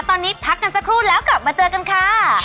ตอนนี้พักกันสักครู่แล้วกลับมาเจอกันค่ะ